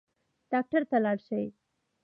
ډاکټر ته لاړ شئ